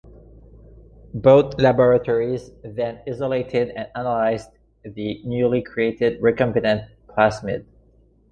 Both laboratories then isolated and analyzed the newly created recombinant plasmids.